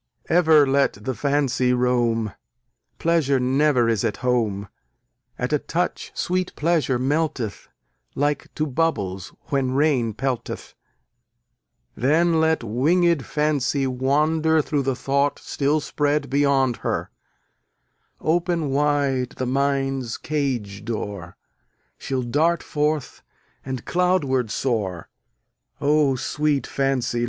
Ever let the Fancy roam, Pleasure never is at home: At a touch sweet Pleasure melteth, Like to bubbles when rain pelteth; Then let wingèd Fancy wander Through the thought still spread beyond her: Open wide the mind's cage door, She'll dart forth, and cloudward soar. O, sweet Fancy!